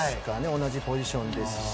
同じポジションですし。